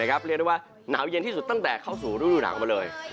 ก็เป็นว่านาวเย็นที่สุดตั้งแต่เข้าสู่รู่ดุหนักมาเลย